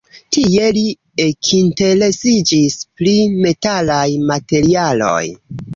Tie li ekinteresiĝis pri metalaj materialoj.